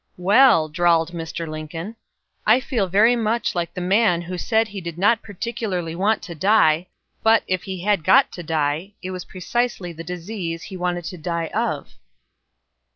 "Well," drawled Mr. Lincoln, "I feel very much like the man who said he did not particularly want to die, but, if he had got to die, that was precisely the disease he wanted to die of!"